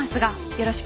よろしく！